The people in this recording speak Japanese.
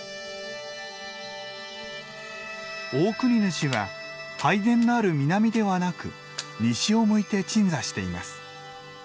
オオクニヌシは拝殿のある南ではなく西を向いて鎮座しています。